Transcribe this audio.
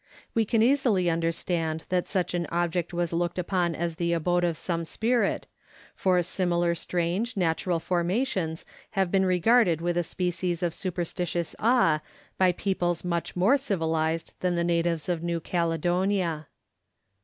We can easily understand that such an object was looked upon as the abode of some spirit, for similar strange natural formations have been regarded with a species of superstitious awe by peoples much more civilized than the natives of New Caledonia.